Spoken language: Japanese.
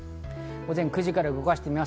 午前９時から動かします。